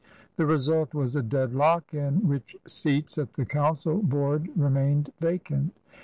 The result was a deadlock in which seats at the council board remained vacant.